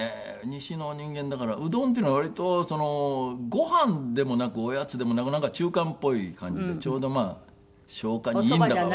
西の人間だからうどんっていうのは割とご飯でもなくおやつでもなく中間っぽい感じでちょうど消化にいいんだか。